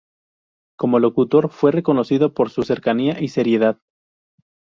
Como locutor fue reconocido por su cercanía y seriedad.